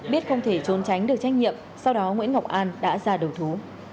biết không thể trốn tránh được trách nhiệm sau đó nguyễn ngọc an đã ra đầu thú